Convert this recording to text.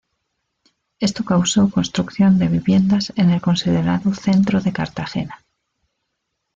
Esto causó construcción de viviendas en el considerado centro de Cartagena.